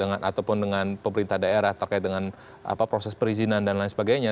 ataupun dengan pemerintah daerah terkait dengan proses perizinan dan lain sebagainya